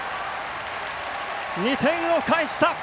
２点を返した。